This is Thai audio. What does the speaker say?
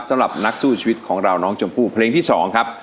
สำหรับนักสู้ชีวิตของเราน้องชมพู่เพลงที่๒ครับ